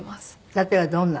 例えばどんなの？